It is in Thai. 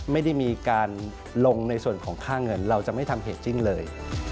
ไม่ได้มีการลงในส่วนของค่าเงินเราจะไม่ทำเหตุจริงเลย